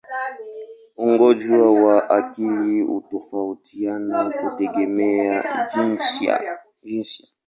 Ugonjwa wa akili hutofautiana kutegemea jinsia.